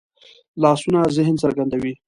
لاسونه ذهن څرګندوي